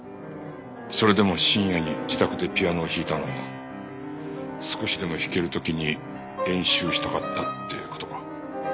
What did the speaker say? それでも深夜に自宅でピアノを弾いたのは少しでも弾ける時に練習したかったって事か。